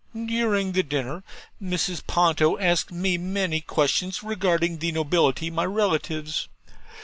During the dinner Mrs. Ponto asked me many questions regarding the nobility, my relatives.